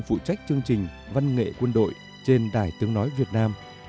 phụ trách chương trình văn nghệ quân đội trên đài tiếng nói việt nam